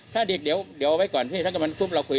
ถ้าเด็กเดี๋ยวเอาไว้ก่อนถ้าเกิดว่ามันคุบเราคุย